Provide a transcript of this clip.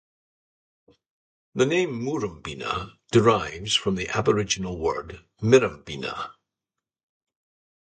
The name "Murrumbeena" derives from the Aboriginal word "mirambeena".